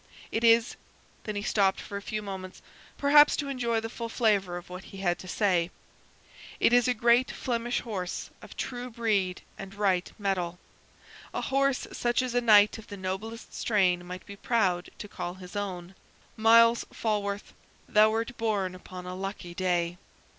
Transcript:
It is" then he stopped for a few moments, perhaps to enjoy the full flavor of what he had to say "it is a great Flemish horse of true breed and right mettle; a horse such as a knight of the noblest strain might be proud to call his own. Myles Falworth, thou wert born upon a lucky day!"